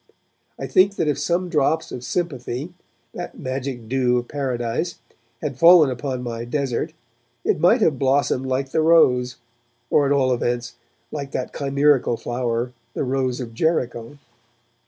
I think that if some drops of sympathy, that magic dew of Paradise, had fallen upon my desert, it might have blossomed like the rose, or, at all events, like that chimerical flower, the Rose of Jericho.